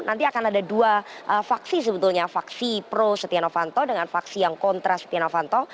nanti akan ada dua faksi sebetulnya vaksi pro setia novanto dengan faksi yang kontra setia novanto